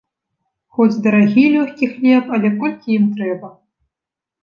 Хоць дарагі лёгкі хлеб, але колькі ім трэба.